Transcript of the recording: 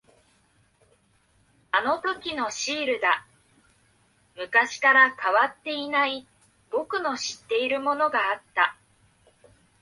あのときのシールだ。昔から変わっていない、僕の知っているものがあった。